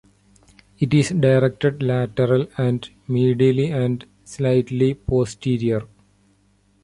It is directed lateral and medially and slightly posterior.